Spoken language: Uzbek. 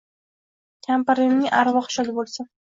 Kampirimning arvohi shod bo‘lsin.